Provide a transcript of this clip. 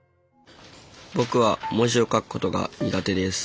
僕は文字を書くことが苦手です。